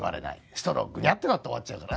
ストローぐにゃってなって終わっちゃうかな。